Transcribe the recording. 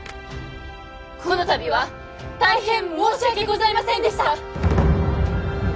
このたびは大変申し訳ございませんでした！